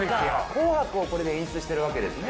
紅白をこれで演出してるわけですね。